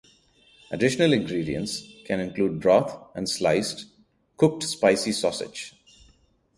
Additional ingredients can include broth and sliced, cooked spicy sausage.